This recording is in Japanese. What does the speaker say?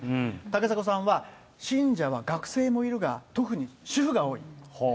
竹迫さんは、信者は学生もいるが、特に主婦が多い。